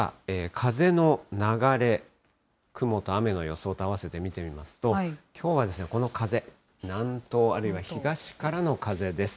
風の流れ、雲と雨の予想とあわせて見てみますと、きょうはこの風、南東、あるいは東からの風です。